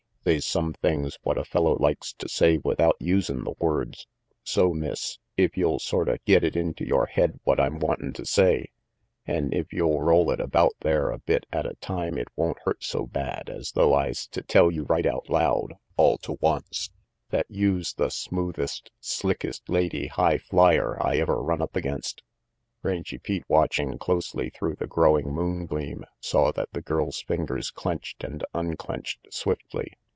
They's some things what a fellow likes to say without usin' the words, so, Miss, if you'll sorta get it into yore head what I'm wantin' to say, an' if you'll roll it about there a bit at a time it won't hurt so baql as though I's to tell you right out loud, all to once, that youse the smoothest, slickest lady high flyer I ever run up against." Rangy Pete, watching closely through the growing moon gleam, saw that the girl's fingers clenched and unclenched swiftly.